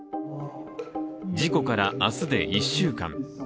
事故から明日で１週間。